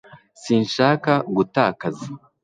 sinshaka gutakaza